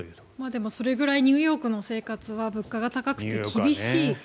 でも、それくらいニューヨークの生活は物価が高くて厳しい。